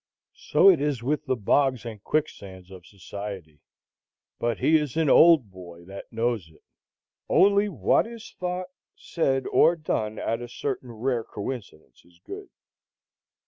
So it is with the bogs and quicksands of society; but he is an old boy that knows it. Only what is thought, said, or done at a certain rare coincidence is good.